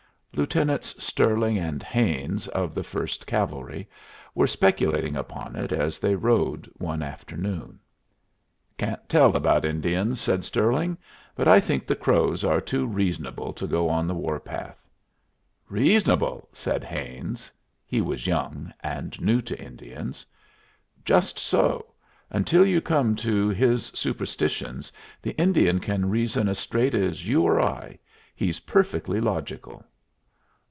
Lieutenants Stirling and Haines, of the First Cavalry, were speculating upon it as they rode one afternoon. "Can't tell about Indians," said Stirling. "But I think the Crows are too reasonable to go on the war path." "Reasonable!" said Haines. He was young, and new to Indians. "Just so. Until you come to his superstitions, the Indian can reason as straight as you or I. He's perfectly logical."